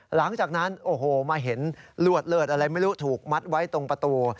หลังจากนั้นโอ้โหมาเห็นลวดเลิศอะไรไม่รู้ถูกมัดไว้ตรงประตู